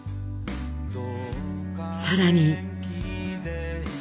更に。